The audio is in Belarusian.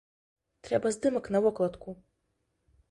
Трэба здымак на вокладку!